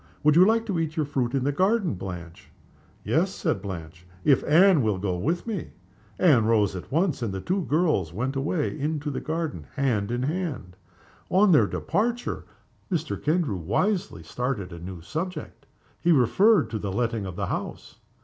"Would you like to eat your fruit in the garden, Blanche?" "Yes," said Blanche, "if Anne will go with me." Anne rose at once, and the two girls went away together into the garden, hand in hand. On their departure Mr. Kendrew wisely started a new subject. He referred to the letting of the house.